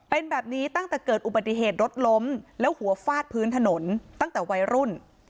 เป็นแบบนี้ตั้งแต่เกิดอุบัติเหตุรถล้มแล้วหัวฟาดพื้นถนนตั้งแต่วัยรุ่น